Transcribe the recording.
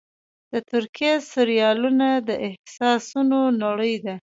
د ترکیې سریالونه د احساسونو نړۍ ده.